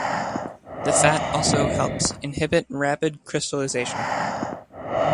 The fat also helps inhibit rapid crystallization.